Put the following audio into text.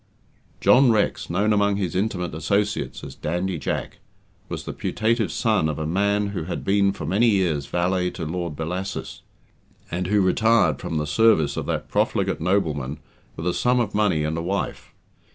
John Rex, known among his intimate associates as Dandy Jack, was the putative son of a man who had been for many years valet to Lord Bellasis, and who retired from the service of that profligate nobleman with a sum of money and a wife.